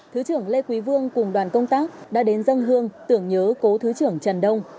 thứ trưởng lê quý vương cùng đoàn công tác đã đến dân hương tưởng nhớ cố thứ trưởng trần đông